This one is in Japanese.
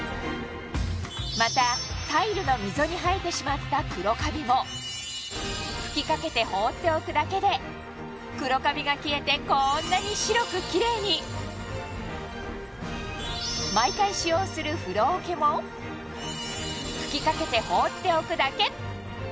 またタイルの溝に生えてしまった黒カビも吹きかけて放っておくだけで黒カビが消えてこんなに白くキレイに毎回使用する風呂おけも吹きかけて放っておくだけ！